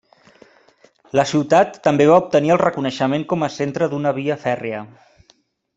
La ciutat també va obtenir el reconeixement com a centre d'una via fèrria.